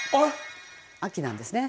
秋なんですね。